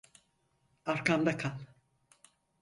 Arkamda kal.